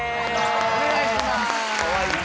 お願いします。